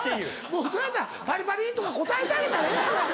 もうそうやったら「パリパリ」とか答えてあげたらええやないか。